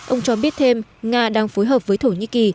ông cho biết thêm nga đang phối hợp với thổ nhĩ kỳ